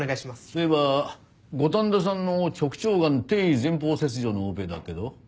そういえば五反田さんの直腸がん定位前方切除のオペだけど。